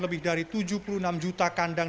lebih dari tujuh puluh enam juta kandang